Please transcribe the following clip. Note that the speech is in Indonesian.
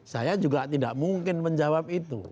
saya juga tidak mungkin menjawab itu